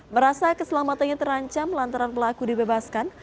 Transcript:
merasa keselamatannya terancam lantaran pelaku dibebaskan